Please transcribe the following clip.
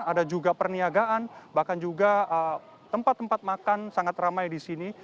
ada juga perniagaan bahkan juga tempat tempat makan sangat ramai di sini